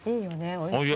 おいしい。